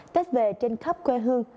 tết về trên khắp quê hương